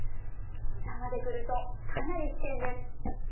膝までくると、かなり危険です。